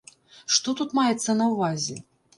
Што тут маецца на ўвазе?